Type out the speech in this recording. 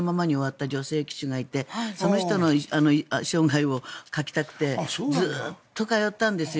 ついに幻のままに終わった女性騎手がいてその人の生涯を描きたくてずっと通ったんです。